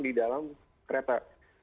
di dalam kereta